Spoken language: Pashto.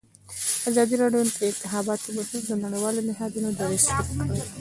ازادي راډیو د د انتخاباتو بهیر د نړیوالو نهادونو دریځ شریک کړی.